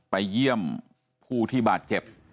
ไปเยี่ยมผู้ที่บาดเจ็บ